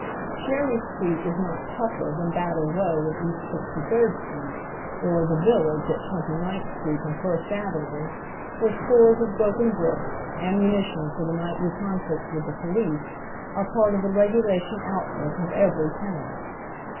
Cherry Street is not "tongher" than Battle Row in East Sixty third Street, or " the vil lage "at Twenty ninth Street and First Avenue, where stores of broken bricks, ammunition for the nightly con flicts with the police, are part of the regulation outfit of every tenement.